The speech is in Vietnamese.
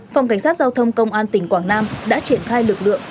phòng cảnh sát giao thông công an tỉnh quảng nam đã triển khai lực lượng